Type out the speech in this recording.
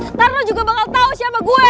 ntar lo juga bakal tau siapa gue